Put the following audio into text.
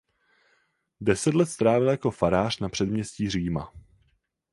Deset let strávil jako farář na předměstí Říma.